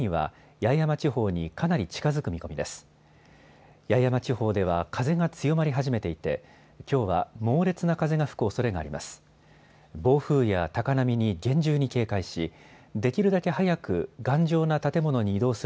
八重山地方では風が強まり始めていてきょうは猛烈な風が吹くおそれがあります。